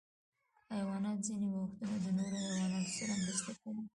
حیوانات ځینې وختونه د نورو حیواناتو سره مرسته کوي.